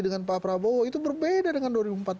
dengan pak prabowo itu berbeda dengan dua ribu empat belas